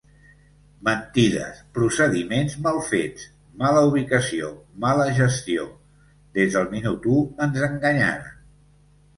Mentides, procediments mal fets, mala ubicació, mala gestió… Des del minut u ens enganyaren.